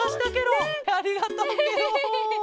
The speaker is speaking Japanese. ありがとうケロ。